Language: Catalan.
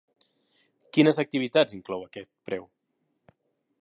Quines activitats inclou aquest preu?